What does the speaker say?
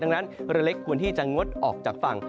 ดังนั้นเรือเล็กควรที่จะงดออกจากฝั่ง